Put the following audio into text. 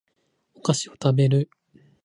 お菓子を食べる